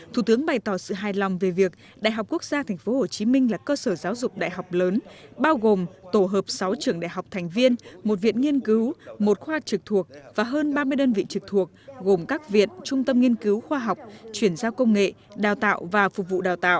thủ tướng bày tỏ sự hài lòng về việc đại học quốc gia tp hcm là cơ sở giáo dục đại học lớn bao gồm tổ hợp sáu trường đại học thành viên một viện nghiên cứu một khoa trực thuộc và hơn ba mươi đơn vị trực thuộc gồm các viện trung tâm nghiên cứu khoa học chuyển giao công nghệ đào tạo và phục vụ đào tạo